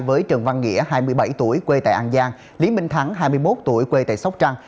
với trần văn nghĩa hai mươi bảy tuổi quê tại an giang lý minh thắng hai mươi một tuổi quê tại sóc trăng